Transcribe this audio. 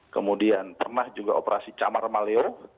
kemudian pernah juga operasi camar maleo